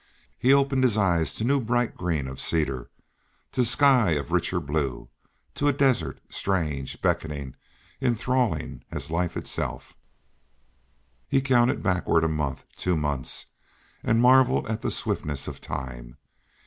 He opened his eyes to new bright green of cedar, to sky of a richer blue, to a desert, strange, beckoning, enthralling as life itself. He counted backward a month, two months, and marvelled at the swiftness of time.